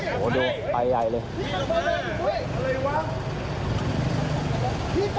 โอ้โฮดูไปใหญ่เลย